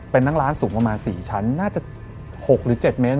เป็นนั่งร้านสูงประมาณ๔ชั้นน่าจะ๖หรือ๗เมตร